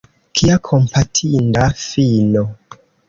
Kia kompatinda fino!